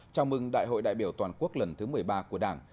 chào mừng đại hội đại biểu toàn quốc lần thứ một mươi ba của đảng